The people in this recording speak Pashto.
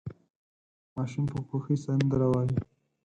ماشوم په خوښۍ سندره وايي.